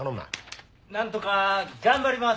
何とか頑張ります！